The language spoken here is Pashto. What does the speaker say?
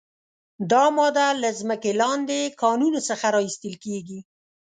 دا ماده له ځمکې لاندې کانونو څخه را ایستل کیږي.